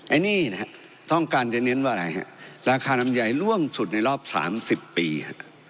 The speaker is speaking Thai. ไอ้นี่นะฮะต้องการจะเน้นว่าอะไรฮะราคาดำใหญ่ล่วงสุดในรอบสามสิบปีฮะ